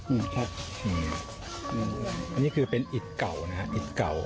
อืมครับอืมอันนี้คือเป็นอิจเก่านะครับอิจเก่า